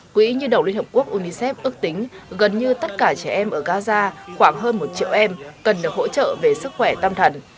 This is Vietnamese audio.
quỹ như đồng liên hợp quốc unicef ước tính gần như tất cả trẻ em ở gaza khoảng hơn một triệu em cần được hỗ trợ về sức khỏe tâm thần